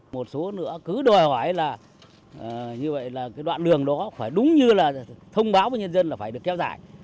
một số nữa cứ đòi hỏi là như vậy là cái đoạn đường đó phải đúng như là thông báo với nhân dân là phải được kéo dài